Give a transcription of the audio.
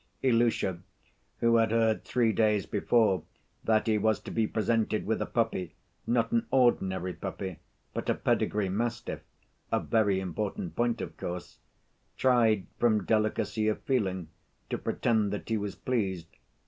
Ilusha, who had heard three days before that he was to be presented with a puppy, not an ordinary puppy, but a pedigree mastiff (a very important point, of course), tried from delicacy of feeling to pretend that he was pleased.